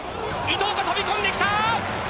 伊東が飛び込んできた！